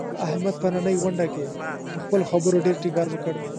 احمد په نننۍ غونډه کې، په خپلو خبرو ډېر ټینګار وکړ.